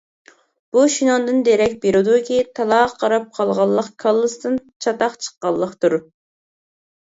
بۇ شۇنىڭدىن دېرەك بېرىدۇكى: تالاغا قاراپ قالغانلىق كاللىسىدىن چاتاق چىققانلىقتۇر.